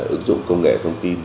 ứng dụng công nghệ thông tin